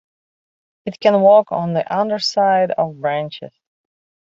It can "walk" on the underside of branches.